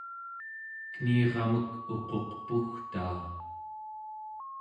keniramek uquq pugtaa